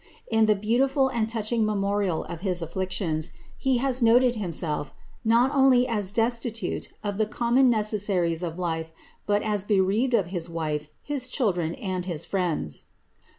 beautiful and touching memorial ^ his afflictions, he has noted f^ not only as destitute of the common necessaries of life, but as ^ sd of his wife, his children, and his friends.